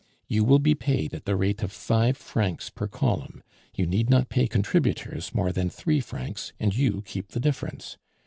You will be paid at the rate of five francs per column; you need not pay contributors more than three francs, and you keep the difference.